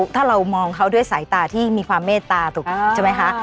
ถ้าเรามองเขาด้วยสายตาที่มีความเมตตาถูกใช่ไหมคะ